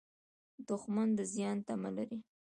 دښمن د زیان تمه لري